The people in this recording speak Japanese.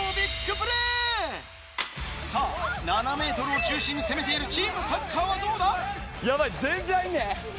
さぁ７ｍを中心に攻めているチームサッカーはどうだ？